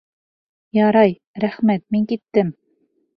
Ярай, рәхмәт, мин киттем.